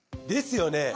ですよね。